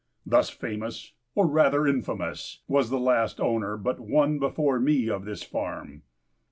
Thus famous, or rather infamous, was the last owner but one, before me, of this farm.